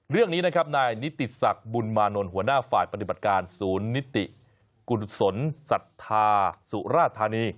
เรื่องนี้นะครับนายนิติศักดิ์บุญมานนท์หัวหน้าฝ่ายปฏิบัติการศูนย์นิติกุศลศรัทธาสุราธานี